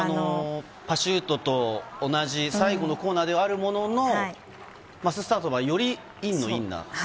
パシュートと同じ最後のコーナーではあるものの、マススタートはよりインのイン。